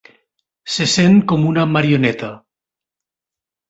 Se sent com una marioneta.